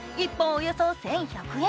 １本およそ１１００円。